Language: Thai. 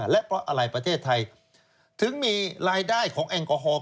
และเพราะอะไรประเทศไทยถึงมีรายได้ของแอลกอฮอล์